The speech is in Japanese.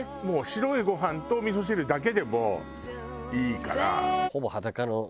白いご飯とおみそ汁だけでもういいから。